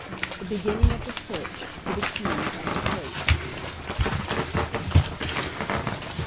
THE BEGINNING OF THE SEARCH FOR THE KEY AND THE COAT.